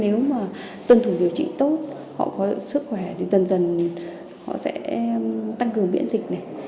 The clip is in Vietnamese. nếu mà tuân thủ điều trị tốt họ có sức khỏe thì dần dần họ sẽ tăng cường miễn dịch này